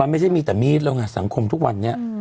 มันไม่ได้มีแต่มีดแล้วง่ะสังคมทุกวันนี้